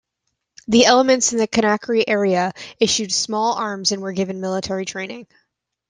The elements in the Conakry area were issued small arms and given military training.